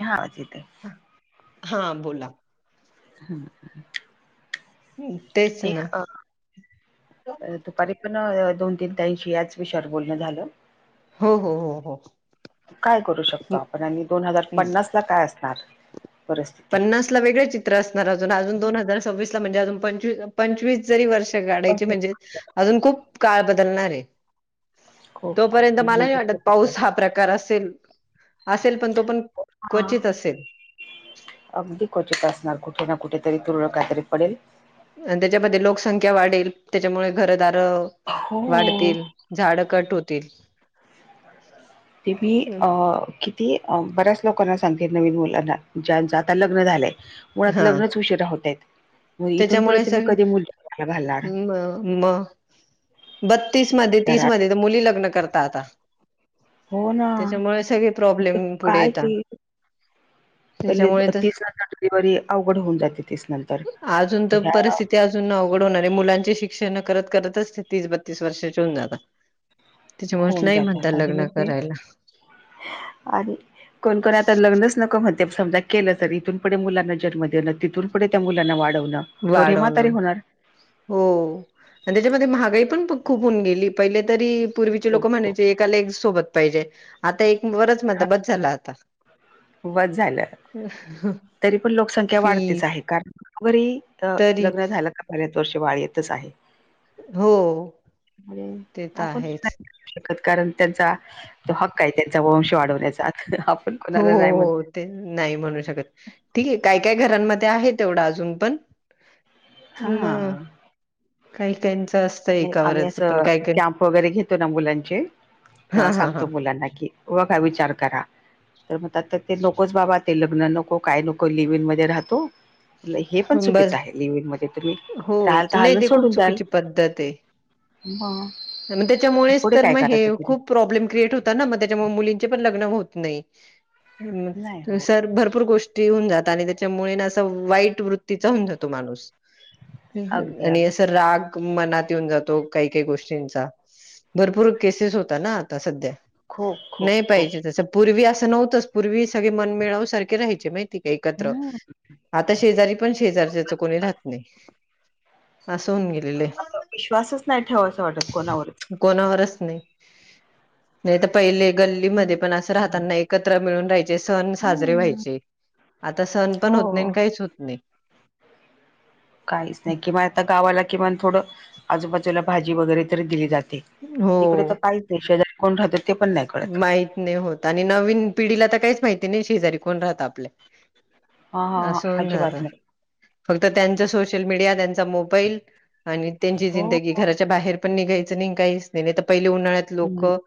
हा, ठीके. हा, बोला. ह. हम्म ते ते अ दुपारी पण दोन तीन ताईशी याच विषयावर बोलणं झालं. हो हो हो हो काय करू शकतो हं, आपण आणि दोन हजार हं. पन्नास ला काय असणार. परिस्थिती? पन्नास ला वेगळ चित्र असणार अजून. अजून दोन हजार सव्वीसला म्हणजे अजून पंच पंचवीस जरी वर्ष काढायची म्हणजे अजून खूप काळ बदलणार आहे. खूप खूप जोपर्यंत मला नाही नंतर वाटत. कसं काय? पाऊस हा प्रकार असेल. असेल पण तो पण हा क्वचित असेल. अगदी क्वचित असणार कुठे ना कुठेेतरी तुरळ काही तरी पडेल. आणि त्याच्यामध्ये लोकसंख्या वाढेल. त्याच्यामुळे घरदार हो वाढतील. झाड कट होतील. ते मी अ ती बऱ्याच लोकांना सांगते. नवीन मुलांना ज्यांच आता लग्न झालंय. मुळात हा लग्नच ह उशीरा होत आहेत. इथून पुढे त्याच्यामुळे तुम्ही सग कधी मुल जन्माला घालणार. म मग, बत्तीस मध्ये, तीस मध्ये, तर मुली लग्न करतात आता. हो ना. त्याच्यामुळे सगळे मग ते प्रॉब्लेम पुढे काय येता. ते पहिले तीस नंतर डिलिवरी अवघड होऊन जाते. तीस नंतर ते अजून अवघड होणार आहे. मुलांचे शिक्षण करत करतच ते तीस बत्तीस वर्षाचे होणार आहे. त्याच्यामुळे होऊन नाही म्हणतात जातात आधी लग्न मग ते करायला. आणि कोणकोण आता लग्नच नको म्हणत्यात. समजा केलं तरी इथून पुढे मुलांना जन्म देणं तिथून पुढे त्या मुलांना वाढवणं. तर हे म्हातारे वाढवण. होणार हो. म्हणजे त्याच्यामध्ये महागाई पण खूप होऊन गेली. पहिले तरी, पूर्वीचे खूप लोक खूप म्हणायचे, एकाला एक सोबत पाहिजे. आता एक वरच हा म्हणता बस झाला आता. बस झालं. तरी पण लोकसंख्या फी वाढतेच आहे. कारण वरी त तरी लग्न झालं का, बऱ्याच वर्ष बाळ येतच आहे. हो. त्यामुळे ते तर आपण आहेच. नाही शकत. कारण त्यांचा तो हक्क आहे. त्यांचा वंश वाढवण्याचा. आपण हो कोणाला नाही म्हणत हो. ते नाही म्हणू शकत. ठीक आहे काय काय घरांमध्ये आहे तेवढं अजून पण, पण मग हा काही काहीच असत. नाही. आम्ही असं कॅम्प वगैरे घेतो ना मुलांचे हा तेव्हा हा सांगतो हा मुलांना कि, हो का विचार करा. तर म्हणतात ते नकोच बाबा. ते लग्न नको. काय नको. लिव्हीइन मध्ये राहतो. हे पण चुकीचं बस आहे. लिव्हिन मध्ये तुम्ही हो राहाल ते चाल नाही ते खूप सोडून द्याल. चुकीची पद्धत आहे. मग त्याच्यामुळेच पुढे तर काय मग हे करायचं तिने खूप प्रॉब्लेम क्रिएट हो त ना. मग त्याच्यामुळं मुलींचे पण लग्न होत नाही. नाही हां हो सर भरपूर गोष्टी पिऊन जाता आणि त्याच्यामुळे ना असा वाईट वृत्तीचा होऊन जातो माणूस. अगदी आणि अगदी असं राग मनात येऊन जातो. काही काही गोष्टी चा. भरपूर केसेस होता ना आता सध्या खूप खूप नाही खूप पाहिजे जस पूर्वी असं नव्हतंच. पूर्वी सगळे मनमिळाऊ सारखे राहायचे माहिती का एकत्र. हम्म आता शेजारी पण शेजारच्याच कोणी राहत नाही. असं होऊन गेलेलं आहे. आता विश्वासच नाही ठेवावा असं वाटत कोणावरती. कोणावरच नाही. नाही तर पहिले गल्लीमध्ये पण अस हम्म राहतांना एकत्र मिळून राहायचे सण साजरे हम्म. व्हायचे. आता सण पण होत नाही हो अन् काहीच होत नाही. काहीच नाही किंवा आता गावाला किमान थोडं आजूबाजूला भाजी वगैरे तरी दिली जाते. हो इकडे तर काहीच नाही शेजारी कोण राहत ते पण नाही. कळत माहित नाही होत आणि नवीन पिढीला तर काहीच माहिती नाही शेजारी कोण राहत आपल्या. हा हा हा अस हून अजिबात जात. नाही फक्त त्यांचा सोशल मीडिया त्यांचा मोबाईल आणि त्यांची हो जिंदगी. हो. घरच्या बाहेर पण निघायचं नाही काहीच नाही तर पहिले उन्हाळ्यात हम्म लोकं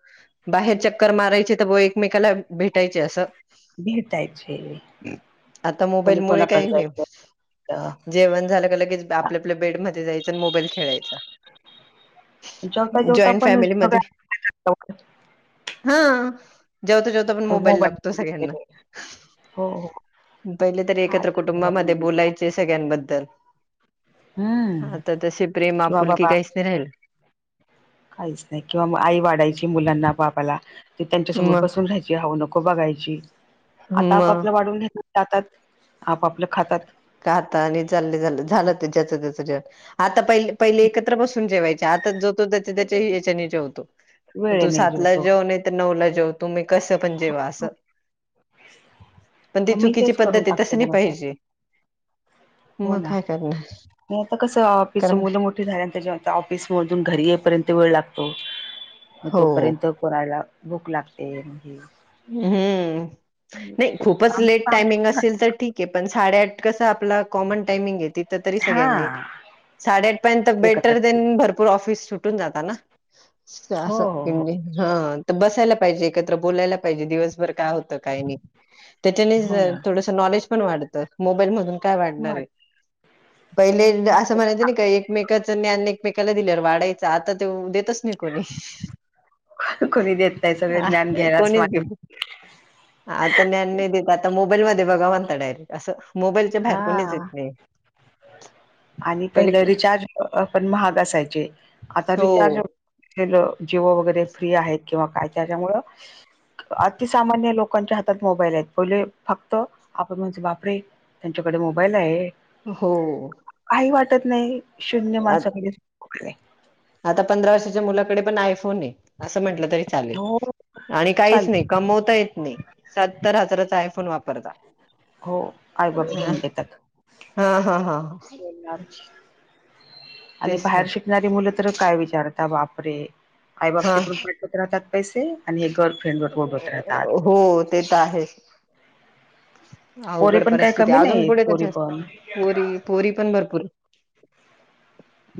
बाहेर चक्कर मारायचे तर ब एकमेकाला भेटायचे असं भेटायचे आता कोणी मोबाईलमुळे कोणाकडे काही नाही. जायचं जेवण झालं का लगेच आपल्या-आपल्या बेड मध्ये जायचं आणि मोबाईल खेळायचा. जेवता जेवता जॉईंट पण सगळ्या [unintelligible] ह जेवता जेवता पण मोबाईल लागतो सगळ्यांना. हो हो पहिले तरी काय एकत्र कुटुंबामध्ये बोलायचे सगळ्यांबद्दल. हम्म आता तसे प्रेम, किंवा आपुलकी बाबा काहीच नाही राहील. काहीच नाही किंवा आई वाढायची मुलांना बापाला ती त्यांच्यासमोर मग बसून राहायची. जे हवं नको बघायची आता मग आपआपलं वाढून नेतात ताटात आपआपलं खातात. का आता आणि चालले झा झालं ते ज्याच त्याच. आता पहिले एकत्र बसून जेवायचे आता जो जो ज्यांच्या त्यांच्या याच्यांनी जेवतो वेळे तू नाही सातला जुळतो जेव नऊला जेव तुम्ही कस. पण जेवा अस पण ती मग मी चुकीची तेच करून पद्धतये तस टाकते नाही मला काय पाहिजे. हो मग ना काय करणार नाही आता कसं ऑफिस कारण मुलं झाल्यानंतर जेवायचं ऑफिस मधून घरी येपर्यंत वेळ लागतो मग हो. तोपर्यंत. पोरा ह्यला भूख लागते मग हे हम्म नाही खूपच आम लेट टायमिंग असेल तर ठीक पण साडेआठ कसं आपलं कॉमन टाईमगं ये तिथ तरी हा सगळ्यांनी साडेआठ पर्यंत एकत्र बेटर देन पूर ऑफिस सुटून जाता ना हो असं ते हो हो हा तर बसायला पाहिजे एकत्र बोलायला पाहिजे का दिवसभर काय होतं काय नाही त्याच्याने हो ना थोडस नॉलेज पण वाढतं मोबाईलमधून काय वाढणार आहे. वाट पहिले असं म्हणायचं नाही काय एकमेकाचं ज्ञान एकमेकांना दिल्याने वाढायचं. आता ते देतच नाही कोणी कोणी देत नाही सगळे ज्ञान घ्यायलाच कोणीच मागे आता ज्ञान नाही देत आता मोबाईल मध्ये बघा म्हणता डायरेक्ट असं मोबाईलच्या हा बाहेर कोणीच येत नाही. आणि पहिले पहिलं रिचार्ज पण महाग असायचे आता हो रिचार्ज जिओ वगैरे फ्री आहेत किंवा काय त्याच्यामुळ अतिसामान्य लोकांच्या हातात मोबाईल आहेत. पहिले फक्त आपण म्हणजे बापरे. त्यांच्याकडे मोबाईल आहेत. हो काही वाटत नाही शून्य आ माणसाकडे नाही. आता पंधरा वर्षाच्या मुलाकडे पण आयफोन आहे असं म्हटलं तरी चालेल हो आणि काहीच चालते नाही. कमवता येत नाही सत्तर हजाराचा आयफोन वापरता. हो आईबाप अ घेऊन देतात. हा हा हा ह. [unintelligible] आणि तेच ना बाहेर शिकणारी मुलं तर काय विचारता बापरे आई बाप हा तिकडून होत राहतात पैसे आणि हे गर्लफ्रेंड उडवत राहतात. हो ते तर आहेच. पोरी आवघड पण काही परिस्थिती कमी अजून नाहीत पुढे पोरी त्याच्या पण पोरी पोरी पण भरपूर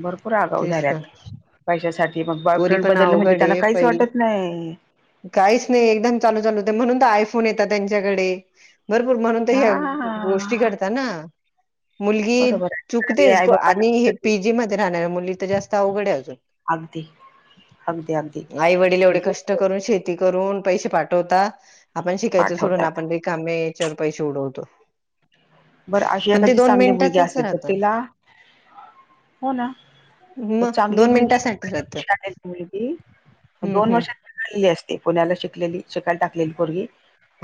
भरपूर आगाउ तेच ना झाल्यात. पैशासाठी मग पोरी बॉयफ्रेंड पण बदलल म्हणजे अवघड त्याला आहे काहीच पहि वाटत नाही. काहीच नाही एकदम चालू चालू होत म्हणून तर आयफोन येतात त्यांच्याकडे. भरपूर म्हणून तर ह्या गोष्टी हा. घडता ना. मुलगी बरोबर आहे आई चुकतेच बापाला आणि हे पीजी मध्ये राहणाऱ्या मुली तर जास्त अवघडय अजून. अगदी अगदी अगदी. आई वडील एवढे कष्ट करून, शेती करून पैसे पाठवता आपण शिकायच सोडून पाठवतात आपण रि कामे याच्यावर पैसे उडवतो. बरं अशी पण ते एखादी दोन चांगली मुलगी मिनिटाचच असेल तर राहतं तीला हो ना मग चांगली दोन मुलगी मिनिटासाठी राहत [unintelligible] हम्म दोन हम्म वर्ष ली असते पुण्याला शिकलेली शिकायला टाकलेली पोरगी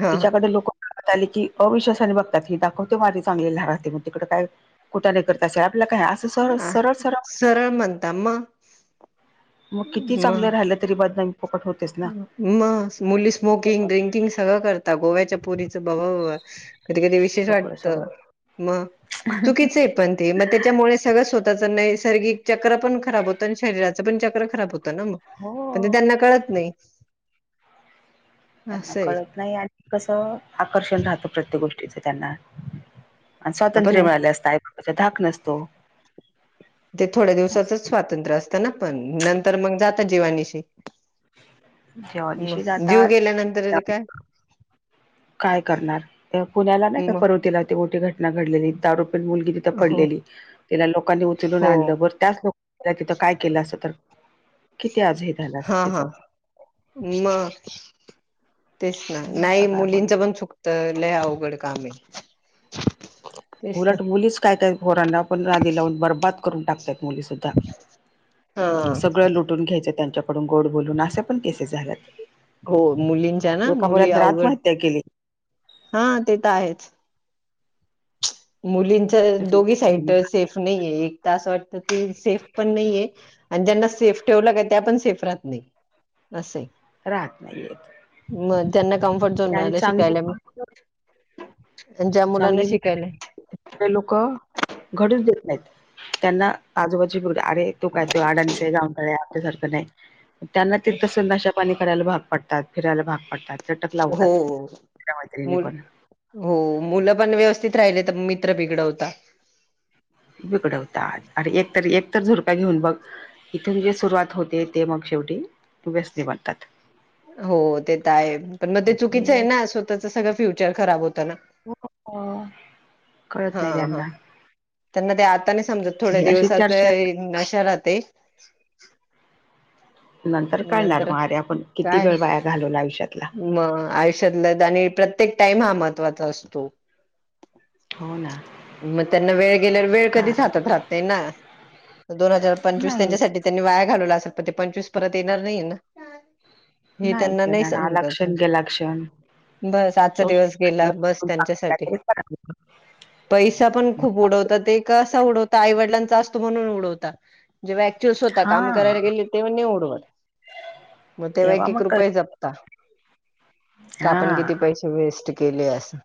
हा तिच्याकडे लोक आली की अविश्वासाने बघतात हे दाखवते माझे चांगली [unintelligible] राहते मग तिकडे काय कुठाने करत असेल आपल काय असं सर आ सरळ म्हणतात. सरळ म्हणता मग मग किती चांगलं मग राहिलं तरी बदनामी फुकट होते. मग मुली स्मोकिंग पण ड्रिंकिंग सगळं करतात गोव्याच्या पोरीच बावा बा कधी कधी विशेष सगळं वाटत सगळं मग चुकिचय पण ते मग त्याच्यामुळे सगळंच स्वतःच नाही नैसर्गिक चक्र पण खराब होतं आणि शरीराचं पण चक्र खराब होत. तन मग पण ते हो त्यांना कळत नाही. त्यांना असं आहे कळत नाही आणि कसं आकर्षण राहतं प्रत्येक गोष्टीच त्यांना. आणि स्वातंत्र्य आपण मिळाल असत आई बाबाचा धाक नसतो. स्वतंत्र असत ना पण नंतर मग जाता जीवानिशी. जेव्हा दिवशी मग जीव जातात गेल्यानंतर ते काय. काय करणार पुण्याला नाही का मग परवतीला ती मोठी घटना घडलेली दारू पिऊन मुलगी तिथ हो पडलेली तिला लोकांनी उचलून हो आणल ब त्याच लोक तिथं काय केलं असं तर किती आज हे झालं असंत हा तिच? हा मग तेच ना नाही सगळा मुलींचं गोंधळ. पण चुक त लय अवघड कामय. उलट मुलीच काय त्या पोरांना पण नादी लावून बर्बाद करून टाकतात. मुली सुद्धा हा सगळं लुटून घ्यायचे त्यांच्या कडून गोड बोलून अशा पण केसेस झाल्यात. हो मुलींच्या ना एका मुली मुलानं तर अवघड, आत्महत्या केली. हा ते तर आहेच. मुलींच दोघी साईड सेफ नाहीये एक त असं वाटत ती सेफ पण नाहीये आणि ज्यांना सेफ ठेवल का त्या पण सेफ राहत नाही असय. राहत नाही येत मग त्यांना कम्फर्ट झोन आणि मिळाल शिकायला मग. चांगली ज्या मुलांना चांगली शिकायला [unintelligible] लोक घडूच देत नाहीत, ‌त्यांना आजूबाजी भुगं अरे तो काय तो अडांनीचय गावंढळय आपल्यासारखं नाही त्यांना ते तसं नशा पाणी करायला भाग पडतात, फिरायला भाग पडतात, चटक लावतात, हो मित्र मैत्रिणी मु पण. हो मुलं पण व्यवस्थित राहिले तर मित्र बिघडवता. बिघडवतात अरे एकतरी-एक तर झुरका घेऊन बघ इथून जे सुरुवात होते ते मग शेवटी व्यसनी बनतात. हो ते तर हाय पण मग ते चुकीचंय हे ना स्वतःच सगळं फ्युचर खराब होतं ना. कळत हा नाही हा, त्यांना त्यांना ते आता नाय समजत थोडे ही अशी दिवसाचा चर्चा हे नशा राहते. नंतर कळणार नंतर मग, अरे आपण किती काय वेळ वाया घालवला आयुष्यातला. मग आयुष्यातला आणि प्रत्येक टाइम हा महत्त्वाचा असतो. हो ना मग त्यांना वेळ गेल्यावर, वेळ कधीच काय हातात राहत नाय ना. दोन हजार पंचवीस नाही त्यांच्यासाठी त्यांनी वाया घालवला असल, पण ते पंचवीस परत येणार नाही ना. हे त्यांना नाहीच नाही येणार, आला समजत क्षण गेला क्षण. बस आजचा दिवस गेला, बस त्यांच्यासाठी. करावं पैसा पण खूप उडवता ते कसा उडवता आईवडलांचा असतो म्हणून उडवता, जेव्हा एक्च्युअल स्वतः हा काम करायला गेले तेव्हा नाय उ मग तेव्हा एकएक मग कर रुपय जपता, का हा आपण किती प पैसे वेस्ट केले असं.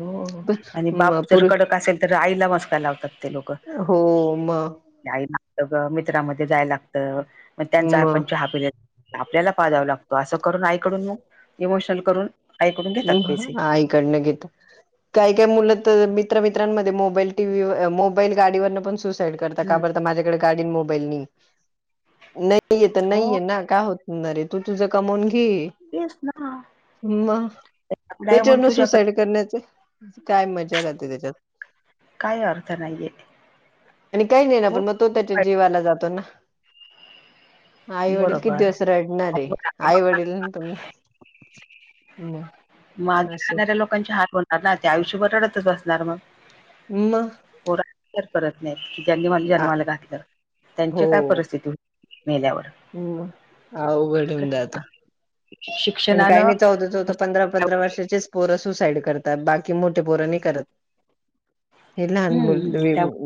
हो आणि म बाप जर पुर कडक असेल तर आईला मस्का लावतात ते लोकं. हो मग. आई लागतं गं, मित्रामध्ये जाय लागतं मग त्यांचा म आपण चहा पिल आपल्याला पाजव लागतो, असं करून आईकडून मग इमोशनल करून आईकडून घेतात पैसे [unintelligible] आईकडनं घेतो. काही काही मुलं तर मित्र-मित्रांमध्ये मोबाईल, टीव्ही, मोबाईल, गाडीवरनं पण सु साईड करता, का हम्म बर तर माझ्याकडे गाडी अन मोबाईल नाही, नाहीये तर हो नाहीये ना, काय हो नारे, तु तुझं कमवून घे. तेच ना. नाही म्हणून त्याच्यावरनं तुझ्याकडे सुसाईड करण्याचं, काय मजा राहते त्याच्यात? काय अर्थ नाहीये. आणि काही नाही ना पण खूप मग तो त्याच्या वाईट. जीवाला जातो ना. आई वडील किती बरोबर दिवस रडणारे? आई वडील पण मग. मागं असं राहणाऱ्या लोकांची हाल होणार ना, ते आयुष्यभर रडतच बसणार मग. म. पोरा विचार करत नाहीत, की ज्यांनी मला जन्माला घातलं हो त्यांची काय परिस्थिती हो मेल्यावर. मग, अवघड तर होऊन जातं. पण काही शिक्षणानं नाही चौदा चौदा, पंधरा पंधरा हम्म वर्षाचेच पोरं सुसाईड करता, बाकी मोठे पोरं नाही करत. हे लहान मुल् हम्म वि त्यामुळे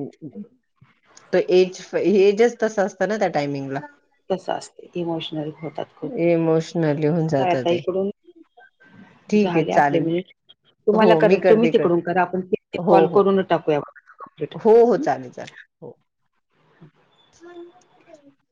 तो एज एजच तस असतं ना त्या टायमिंगला. तसं असतं, इमोशनल होतात खूप, इमोशनली होऊन [unintelligible] जात आता ते इकडून ठीक आहे झाले आपले चालेल म्हणजे तुम्हाला हो करा मी तुम्ही करते कर तिकडून करा, आपण [unintelligible] हो कॉल हो करूनच टाकूया. कंप्लीट हो हो चालेल चालेल. हो [unintelligible]